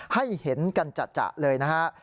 ให้เห็นกันจัดเลยนะฮะ